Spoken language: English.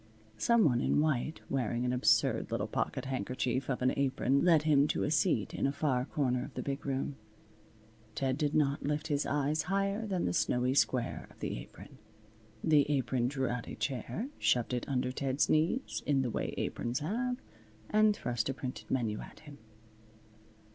Some one in white wearing an absurd little pocket handkerchief of an apron led him to a seat in a far corner of the big room. Ted did not lift his eyes higher than the snowy square of the apron. The Apron drew out a chair, shoved it under Ted's knees in the way Aprons have, and thrust a printed menu at him.